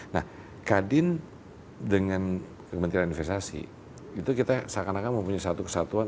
nah kadin dengan kementerian investasi itu kita seakan akan mempunyai satu kesatuan